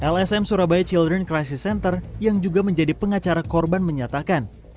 lsm surabaya children crisis center yang juga menjadi pengacara korban menyatakan